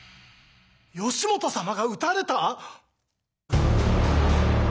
義元様が討たれた！？